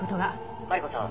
マリコさん